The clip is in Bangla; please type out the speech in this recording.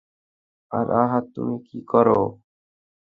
আর, আহ, তুমি কি করো?